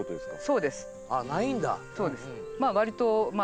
そうです。